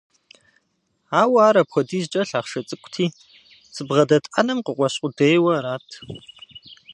Ауэ ар апхуэдизкӏэ лъахъшэ цӏыкӏути, зыбгъэдэт ӏэнэм къыкъуэщ къудейуэ арат.